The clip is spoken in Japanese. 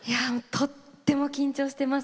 とても緊張しています。